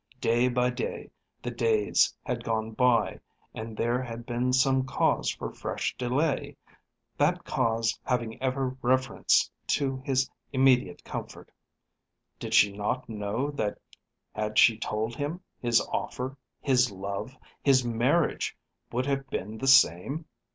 Day by day the days had gone by, and there had been some cause for fresh delay, that cause having ever reference to his immediate comfort. Did she not know that had she told him, his offer, his love, his marriage would have been the same?